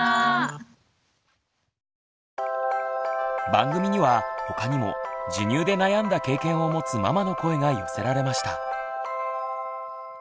番組には他にも授乳で悩んだ経験を持つママの声が寄せられました。